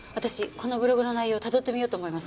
このブログの内容たどってみようと思います。